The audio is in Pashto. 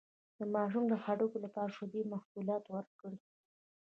د ماشوم د هډوکو لپاره د شیدو محصولات ورکړئ